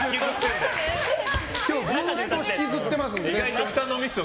今日ずっと引きずってますんで。